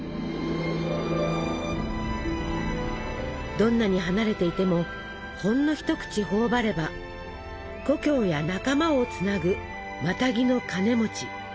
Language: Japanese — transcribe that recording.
どんなに離れていてもほんの一口頬張れば故郷や仲間をつなぐマタギのカネ。